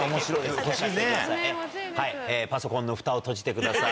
パソコンのふたを閉じてください。